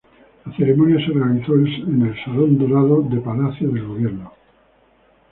La ceremonia se realizó el Salón Dorado de Palacio de Gobierno.